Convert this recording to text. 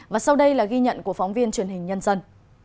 và sau đây là ghi nhận của phóng viên truyền hình nhân dân